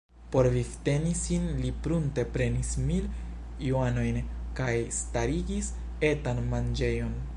Por vivteni sin li prunte prenis mil juanojn kaj starigis etan manĝejon.